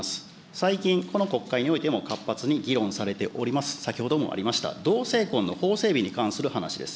最近、この国会においても活発に議論されております、先ほどもありました、同性婚の法整備に関する話です。